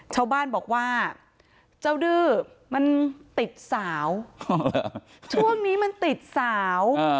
ชาวบ้านบอกว่าเจ้าดื้อมันติดสาวช่วงนี้มันติดสาว